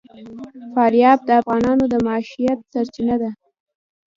فاریاب د افغانانو د معیشت سرچینه ده.